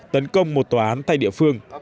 tấn công một tòa án tay địa phương